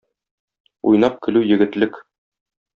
Уйнап көлү егетлек.